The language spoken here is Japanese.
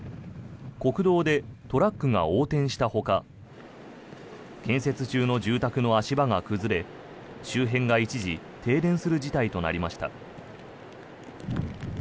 国道でトラックが横転したほか建設中の住宅の足場が崩れ周辺が一時、停電する事態となりました。